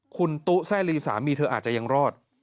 คุณตุ๊แซ่ลีสามีเธออาจจะยังรอด